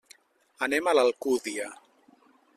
Anem a l'Alcúdia.